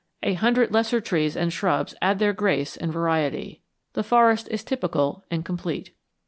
A hundred lesser trees and shrubs add their grace and variety. The forest is typical and complete.